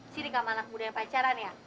sini gak malah kemudian pacaran ya